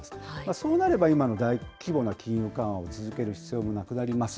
そうなれば今の大規模な金融緩和を続ける必要もなくなります。